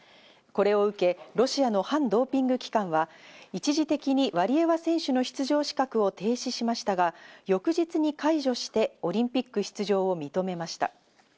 これを受け、ロシアの反ドーピング機関は一時的にワリエワ選手の出場資格を停止しましたが、翌日に解除してオリンピック出場を認めました。